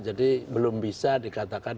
jadi belum bisa dikatakan